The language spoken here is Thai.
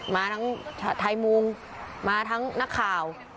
มาทั้งไทยมุงมาทั้งนักข่าว